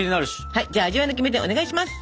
はいじゃあ味わいのキメテお願いします。